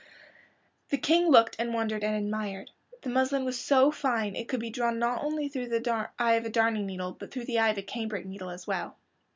The King looked and wondered and admired. The muslin was so fine it could be drawn not only through the eye of a darning needle, but through the eye of a cambric needle as well.